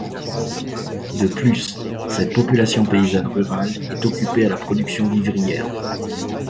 De plus, cette population paysanne rurale est occupée à la production vivrière.